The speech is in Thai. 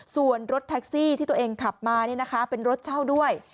ส่วนรถแท็กซี่ที่ตัวเองขับมาเป็นรถเช่าด้วย